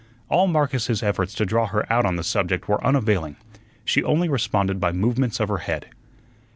All Marcus's efforts to draw her out on the subject were unavailing. She only responded by movements of her head.